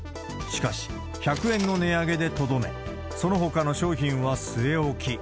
しかし、１００円の値上げでとどめ、そのほかの商品は据え置き。